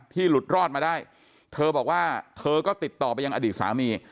หลุดรอดมาได้เธอบอกว่าเธอก็ติดต่อไปยังอดีตสามี